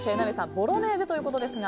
ボロネーゼということですが。